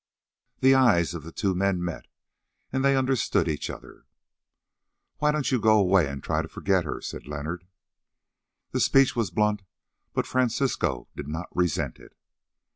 The eyes of the two men met, and they understood each other. "Why don't you go away and try to forget her?" said Leonard. The speech was blunt, but Francisco did not resent it.